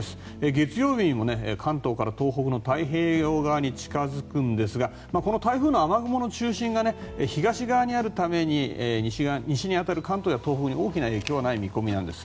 月曜日にも関東から東北の太平洋側に近付くんですがこの台風の雨雲の中心が東側にあるために西に当たる関東や東北に大きな影響はない見込みなんです。